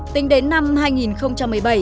tính đến năm hai nghìn một mươi bảy